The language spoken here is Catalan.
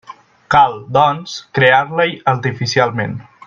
Cal, doncs, crear-la-hi artificialment.